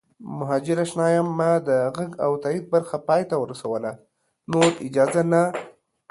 مهاجراشنا یم ما د غږ او تایید برخه پای ته ورسوله نور اجازه نه